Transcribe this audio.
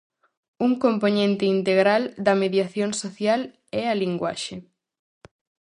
Un compoñente integral da mediación social é a linguaxe.